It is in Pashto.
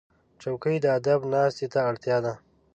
چوکۍ د ادب ناستې ته اړتیا ده.